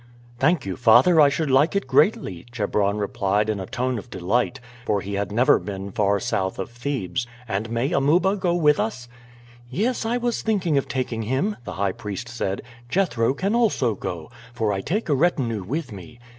"Thank you, father. I should like it greatly," Chebron replied in a tone of delight, for he had never before been far south of Thebes. "And may Amuba go with us?" "Yes; I was thinking of taking him," the high priest said. "Jethro can also go, for I take a retinue with me.